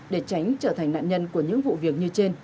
để tránh trở thành nạn nhân của những vụ việc như trên